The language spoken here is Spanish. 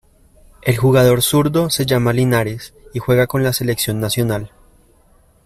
El jugador zurdo se llama Linares y juega con la selección nacional.